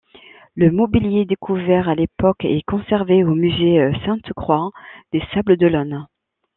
Le mobilier découvert à l'époque est conservé au Musée Sainte-Croix des Sables-d'Olonne.